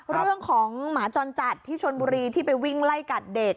เรื่องของหมาจรจัดที่ชนบุรีที่ไปวิ่งไล่กัดเด็ก